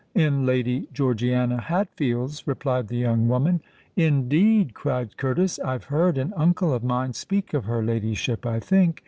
"In Lady Georgiana Hatfield's," replied the young woman. "Indeed!" cried Curtis. "I've heard an uncle of mine speak of her ladyship, I think.